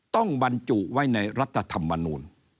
ต้องบรรจุไว้ในรัฐธรรมนูล